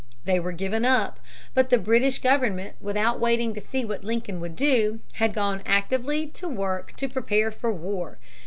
They were given up. But the British government, without waiting to see what Lincoln would do, had gone actively to work to prepare for war.